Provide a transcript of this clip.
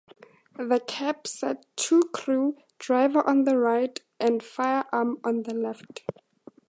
The cab sat two crew, driver on the right and fireman on the left.